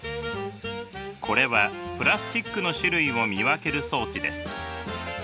これはプラスチックの種類を見分ける装置です。